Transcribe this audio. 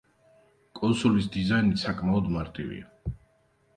კონსოლის დიზაინი საკმაოდ მარტივია.